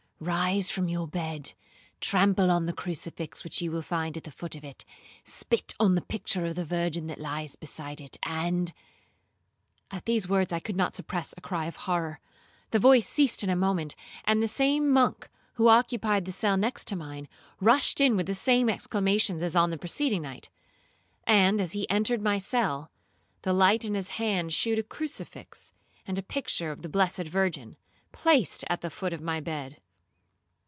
Rise from your bed, trample on the crucifix which you will find at the foot of it, spit on the picture of the Virgin that lies beside it, and—' At these words I could not suppress a cry of horror. The voice ceased in a moment, and the same monk, who occupied the cell next to mine, rushed in with the same exclamations as on the preceding night; and, as he entered my cell, the light in his hand shewed a crucifix, and a picture of the blessed Virgin, placed at the foot of my bed.